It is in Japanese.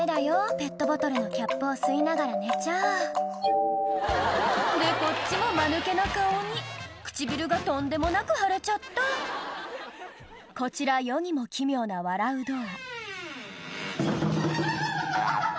ペットボトルのキャップを吸いながら寝ちゃでこっちもマヌケな顔に唇がとんでもなく腫れちゃったこちら世にも奇妙な笑うドア